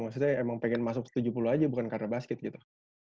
maksudnya emang pengen masuk tujuh puluh aja bukan karena basket gitu